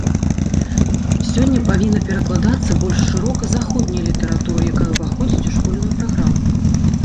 Сёння павінна перакладацца больш шырока заходняя літаратура, якая ўваходзіць у школьную праграму.